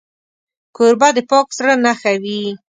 کوربه د پاک زړه نښه وي.